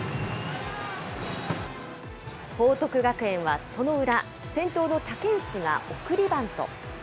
報徳学園はその裏、先頭の竹内が送りバント。